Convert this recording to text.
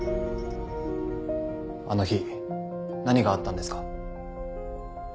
あの日何があったんですか？